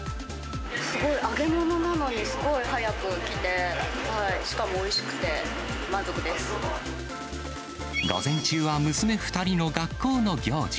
すごい、揚げ物なのにすごい早く来て、しかもおいしくて満足午前中は娘２人の学校の行事。